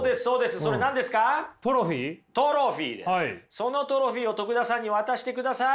そのトロフィーを徳田さんに渡してください。